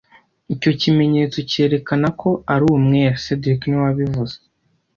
Icyo kimenyetso cyerekana ko ari umwere cedric niwe wabivuze